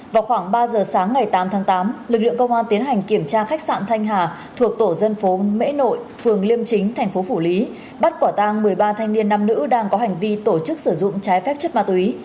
vào khoảng ba giờ sáng ngày tám tháng tám lực lượng công an tiến hành kiểm tra khách sạn thanh hà thuộc tổ dân phố mễ nội phường liêm chính thành phố phủ lý bắt quả tang một mươi ba thanh niên nam nữ đang có hành vi tổ chức sử dụng trái phép chất ma túy